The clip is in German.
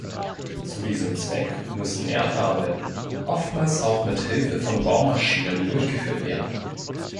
Zu diesem Zweck müssen Erdarbeiten, oftmals auch mit Hilfe von Baumaschinen, durchgeführt werden.